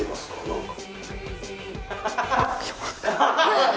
何か。